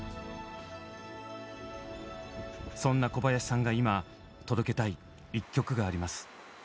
そんな小林さんが今届けたい一曲があります。